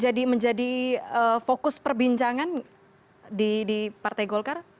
jadi kita menjadi fokus perbincangan di partai golkar